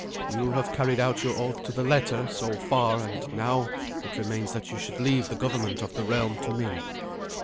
You have carried out your oath to the letter, so far, and now it remains that you should leave the government of the realm to me."